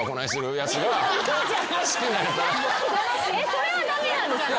それは駄目なんですか？